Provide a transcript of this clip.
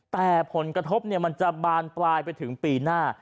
แต่ผลกระทบมันจะบานปลายไปถึงปีหน้า